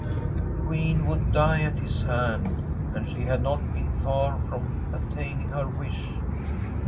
The Queen would die at his hand, and she had not been far from attaining her wish.